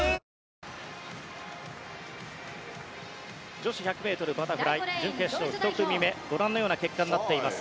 女子１００ｍバタフライ準決勝１組目ご覧のような結果になっています。